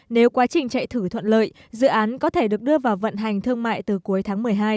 nếu quá trình chạy thử thuận lợi dự án có thể được đưa vào vận hành thương mại từ cuối tháng một mươi hai